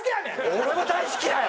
俺も大好きだよ！